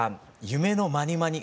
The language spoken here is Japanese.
「夢のまにまに」